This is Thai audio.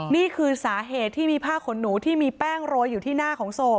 นี่คือสาเหตุที่มีผ้าขนหนูที่มีแป้งโรยอยู่ที่หน้าของศพ